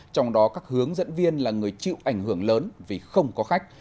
trong đó các hướng dẫn viên là người chịu ảnh hưởng lớn vì không có khách